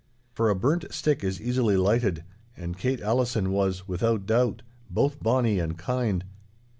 For a burnt stick is easily lighted, and Kate Allison was, without doubt, both bonny and kind.